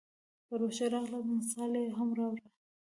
د پلوشه راغلل مثال یې هم راووړ.